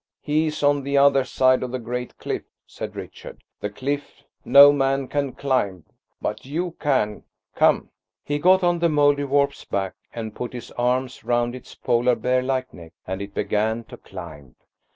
"He's on the other side of the great cliff," said Richard,–"the cliff no man can climb. But you can come." He got on the Mouldiwarp's back and put his arms round its Polar bear like neck, and it began to climb.